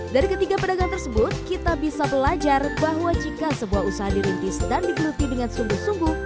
dari ketiga pedagang tersebut kita bisa belajar bahwa jika sebuah usaha dirintis dan digeluti dengan sungguh sungguh